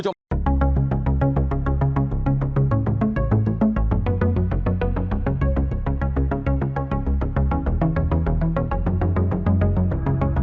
โปรดติดตามตอนต่อไป